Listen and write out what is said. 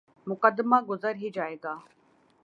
مقدمہ گزر ہی جائے گا۔